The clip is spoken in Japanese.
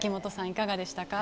いかがでしたか？